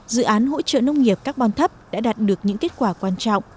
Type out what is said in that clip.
dự án hỗ trợ nông nghiệp carbon thấp đã đạt được những kết quả quan trọng